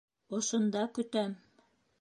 Ошонда көтәм!